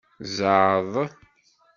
Zɛeḍ.